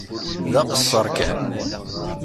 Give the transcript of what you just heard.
D aqeṣṣeṛ kan.